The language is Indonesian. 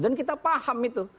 dan kita paham itu